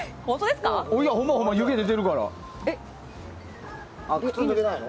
ほんま、湯気出てるから。